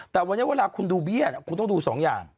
แต่วันนี้เวลาคุณดูเบี้ยคุณต้องดูสองอย่าง